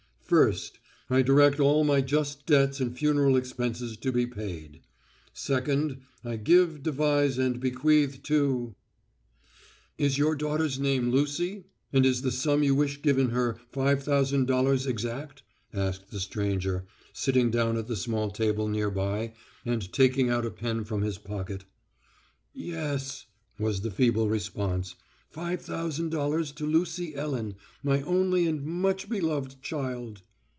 First: I direct all my just debts and funeral expenses to be paid. Second: I give, devise, and bequeath to—— "Is your daughter's name Lucy, and is the sum you wish given her five thousand dollars exact?" asked the stranger, sitting down at the small table near by and taking out a pen from his pocket. "Yes," was the feeble response, "five thousand dollars to Lucy Ellen, my only and much beloved child."